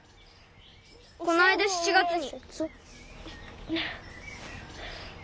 こないだ７月に。